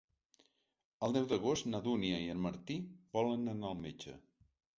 El deu d'agost na Dúnia i en Martí volen anar al metge.